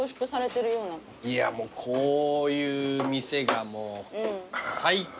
いやもうこういう店がもう最高だね